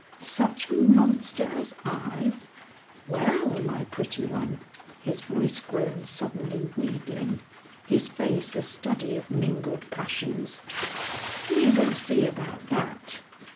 "Such a monster as I? Well, my pretty one," his voice grown suddenly wheedling, his face a study of mingled passions, "we will see about that.